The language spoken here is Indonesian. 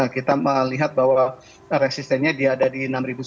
kita melihat bahwa resistennya dia ada di enam sembilan ratus